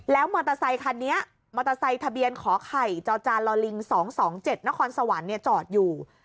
แล้วมอเตอร์ไซคันนี้มอเตอร์ไซค์ทะเบียนขอไข่จอจานลลิง๒๒๗นครสวรรค์จอดอยู่